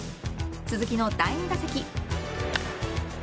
鈴木の第２打席